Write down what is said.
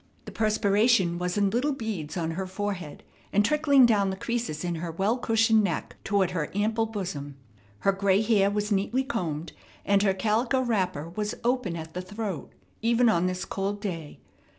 The perspiration was in little beads on her forehead and trickling down the creases in her well cushioned neck toward her ample bosom. Her gray hair was neatly combed, and her calico wrapper was open at the throat even on this cold day.